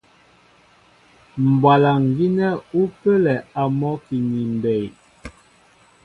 Mbwalaŋ gínɛ́ ú pə́lɛ a mɔ́ki ni mbey.